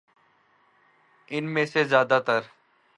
ان میں سے زیادہ تر